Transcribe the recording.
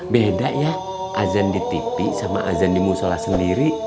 beda ya azan di tv sama azan di musola sendiri